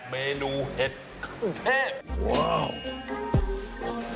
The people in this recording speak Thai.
๘เมนูเห็ดโอ้เท่